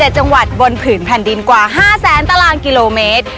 ๗จังหวัดบนผืนแผ่นดินกว่า๕แสนตารางกิโลเมตร